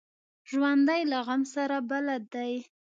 ژوندي له غم سره بلد دي